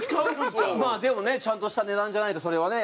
まあでもねちゃんとした値段じゃないとそれはね